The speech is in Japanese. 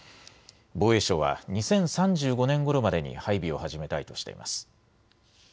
防衛省は２０３５年ごろまでに配備を始めたいとしています。